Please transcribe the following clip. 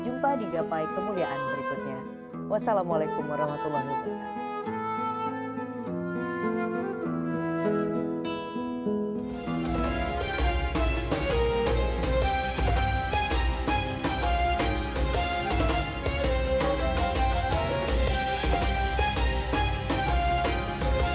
jumpa di gapai kemuliaan berikutnya wassalamualaikum warahmatullahi wabarakatuh